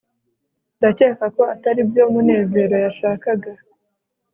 ndakeka ko atari byo munezero yashakaga